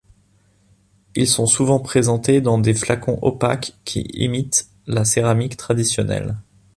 Ils sont souvent présentés dans des flacons opaques qui imitent la céramique traditionnelle.